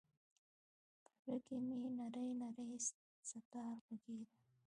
په زړه کې مــــــې نـــری نـــری ستار غـــــږیده